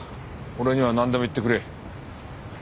俺にはなんでも言ってくれ。